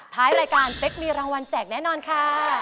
ท้ายรายการเป๊กมีรางวัลแจกแน่นอนค่ะ